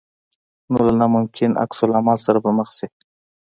نو له ناممکن عکس العمل سره به مخ شې.